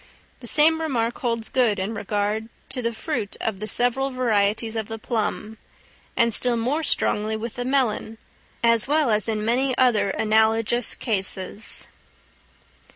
The same remark holds good in regard to the fruit of the several varieties of the plum, and still more strongly with the melon, as well as in many other analogous cases.